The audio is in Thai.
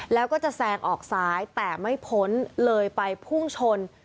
แล้วก็จะแซงออกซ้ายแต่ไม่พ้นเลยไปพุ่งชน